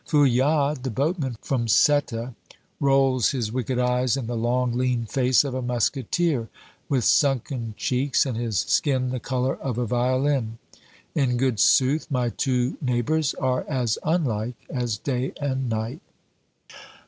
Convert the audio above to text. Fouillade, the boatman from Cette, rolls his wicked eyes in the long, lean face of a musketeer, with sunken cheeks and his skin the color of a violin. In good sooth, my two neighbors are as unlike as day and night.